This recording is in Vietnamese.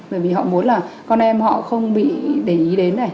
bởi vì họ muốn là con em họ không bị để ý đến này